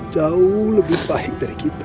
jauh lebih baik dari kita